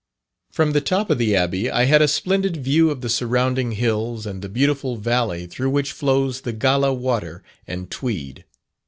From the top of the Abbey, I had a splendid view of the surrounding hills and the beautiful valley through which flows the Gala Water and Tweed.